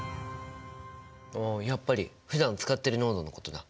ああやっぱりふだん使っている濃度のことだ。